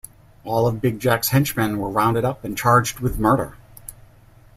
All of Big Jack's henchmen were rounded up and charged with murder.